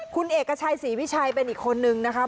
คุณเอกชัยศรีวิชัยเป็นอีกคนนึงนะคะ